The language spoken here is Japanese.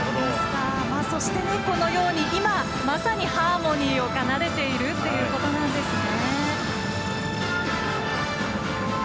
そして、このように今、まさにハーモニーを奏でているということなんですね。